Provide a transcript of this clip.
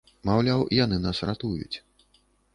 Маўляў, яны нас ратуюць.